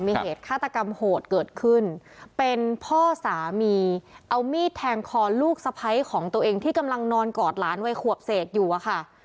มีเหตุฆาตกรรมโหดเกิดขึ้นเป็นพ่อสามีเอามีดแทงคอลูกสะพ้ายของตัวเองที่กำลังนอนกอดหลานวัยขวบเศษอยู่อะค่ะ